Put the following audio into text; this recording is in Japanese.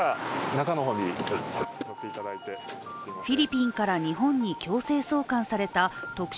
フィリピンから日本に強制送還された特殊